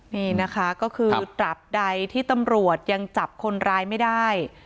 นี่นะคะก็คือตราบใดที่ตำรวจยังจับคนร้ายไม่ได้